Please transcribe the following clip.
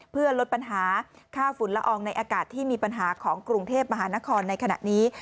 เพื่อลดปัญหาค่าฝุ่นละอองในอากาศที่มีปัญหาของกรุงเทพมหานครในขณะนี้